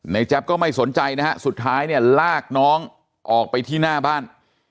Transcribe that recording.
แจ๊บก็ไม่สนใจนะฮะสุดท้ายเนี่ยลากน้องออกไปที่หน้าบ้าน